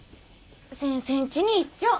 先生んちに行っちょっ。